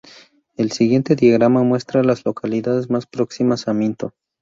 El siguiente diagrama muestra a las localidades más próximas a Minto.